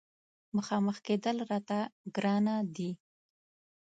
مخامخ کېدل راته ګرانه دي.